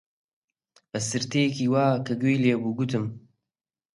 بە سرتەیەکی وا کە گوێی لێ بێ گوتم: